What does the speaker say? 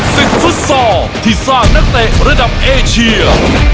สิทธิ์ฟุตซอร์ที่สร้างตั้งแต่ระดับเอเชีย